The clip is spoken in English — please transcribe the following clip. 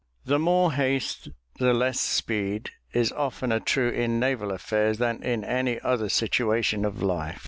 "The more haste the less speed," is oftener true in naval affairs than in any other situation of life.